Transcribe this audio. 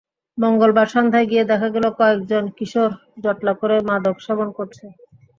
মঙ্গলবার সন্ধ্যায় গিয়ে দেখা গেল, কয়েকজন কিশোর জটলা করে মাদক সেবন করছে।